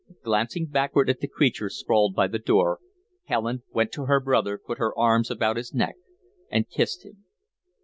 Glancing backward at the creature sprawled by the door, Helen went to her brother, put her arms about his neck, and kissed him.